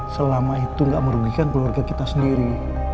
selama itu gak merugikan keluarga kita sendiri